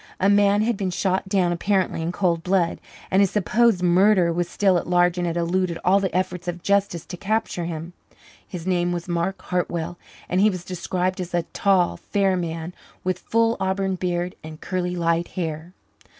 A man had been shot down, apparently in cold blood, and his supposed murderer was still at large and had eluded all the efforts of justice to capture him. His name was Mark Hartwell, and he was described as a tall, fair man, with full auburn beard and curly, light hair.